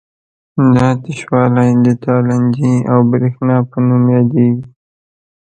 دا تشوالی د تالندې او برېښنا په نوم یادیږي.